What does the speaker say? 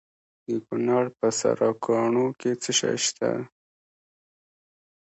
د کونړ په سرکاڼو کې څه شی شته؟